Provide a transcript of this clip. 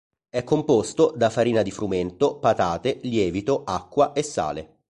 È composto da farina di frumento, patate, lievito, acqua e sale.